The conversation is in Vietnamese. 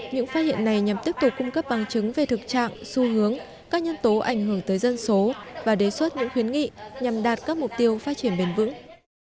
những phát hiện này nhằm tiếp tục cung cấp bằng chứng về thực trạng xu hướng các nhân tố ảnh hưởng tới dân số và đề xuất những khuyến nghị nhằm đạt các mục tiêu phát triển bền vững